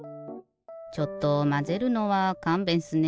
ちょっとまぜるのはかんべんっすね。